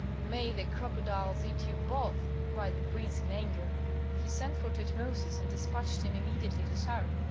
"May the crocodiles eat you both!" cried the prince, in anger. He sent for Tutmosis and despatched him immediately to Sarah.